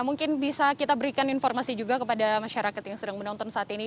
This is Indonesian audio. mungkin bisa kita berikan informasi juga kepada masyarakat yang sedang menonton saat ini